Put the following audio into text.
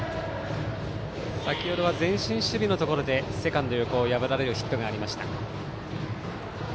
先程は前進守備のところでセカンド横を破られるヒットがありました。